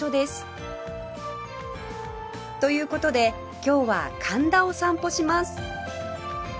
という事で今日は神田を散歩します